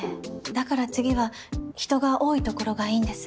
だから次は人が多いところがいいんです。